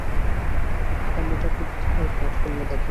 অন্যটাকে বোধহয় প্ল্যাটফর্মে দেখেছি।